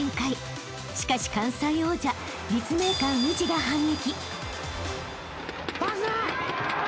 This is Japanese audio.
［しかし関西王者立命館宇治が反撃］